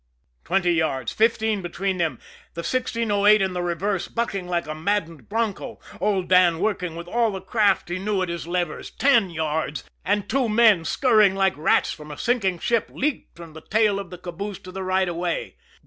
Twenty yards, fifteen between them the 1608 in the reverse bucking like a maddened bronco, old Dan working with all the craft he knew at his levers ten yards and two men, scurrying like rats from a sinking ship, leaped from the tail of the caboose to the right of way.